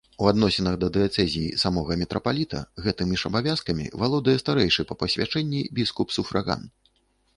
У адносінах да дыяцэзіі самога мітрапаліта гэтымі ж абавязкамі валодае старэйшы па пасвячэнні біскуп-суфраган.